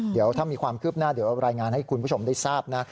เดี๋ยวถ้ามีความคืบหน้าเดี๋ยวรายงานให้คุณผู้ชมได้ทราบนะ